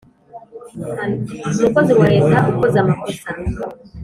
umukozi wa leta ukoze amakosa